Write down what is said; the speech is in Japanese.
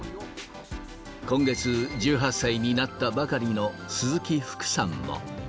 今月、１８歳になったばかりの鈴木福さんも。